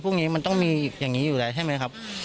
ดูสิครับที่สงอบแรงที่เลยครับ